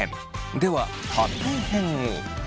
では発展編を。